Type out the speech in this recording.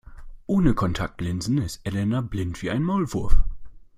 Ohne Kontaktlinsen ist Elena blind wie ein Maulwurf.